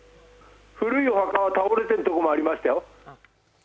古いお墓は倒れてるところもありましたよ。